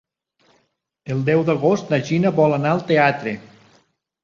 El deu d'agost na Gina vol anar al teatre.